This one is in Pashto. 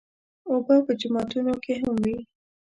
اوبه په جوماتونو کې هم وي.